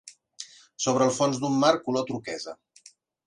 Sobre el fons d'un mar color de turquesa